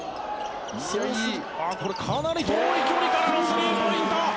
これかなり遠い距離からのスリーポイント。